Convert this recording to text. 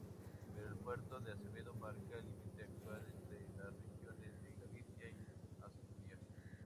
El Puerto del Acebo marca límite actual entre las regiones de Galicia y Asturias.